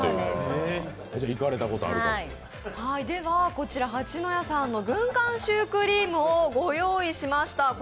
こちら、蜂の家さんの軍艦シュークリームをご用意しました。